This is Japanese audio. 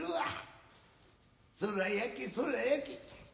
そら焼けそら焼け。